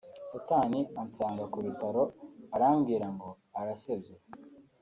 Satani ansanga ku bitaro arambwira ngo urasebye